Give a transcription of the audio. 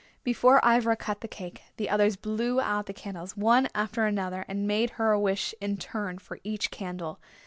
Before Ivra cut the cake the others blew out the candles, one after another, and made her a wish in turn for every candle.